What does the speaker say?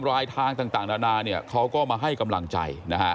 รายทางต่างนานาเขาก็มาให้กำลังใจ